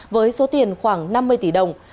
với số tiền khoảng năm mươi tỷ đồng